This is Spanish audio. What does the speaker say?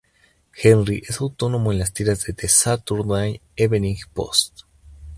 Henry es autónomo en las tiras de The Saturday Evening Post.